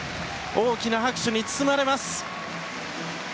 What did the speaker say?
大きな拍手に包まれます！